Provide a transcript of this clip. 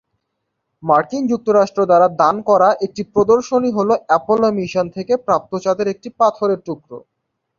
মার্কিন যুক্তরাষ্ট্র দ্বারা দান করা একটি প্রদর্শনী হলো অ্যাপোলো মিশন থেকে প্রাপ্ত চাঁদের একটি পাথরের টুকরো।